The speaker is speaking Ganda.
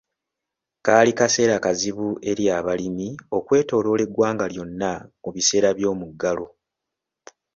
Kaali kaseera kazibu eri abalimi okwetooloora eggwanga lyonna mu biseera by'omuggalo.